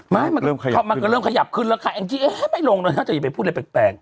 มันก็เริ่มขยับขึ้นแล้วค่ะแองจี้เอ๊ะไม่ลงแล้วนะเธออย่าไปพูดอะไรแปลก